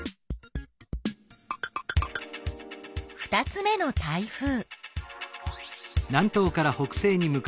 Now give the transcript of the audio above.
２つ目の台風。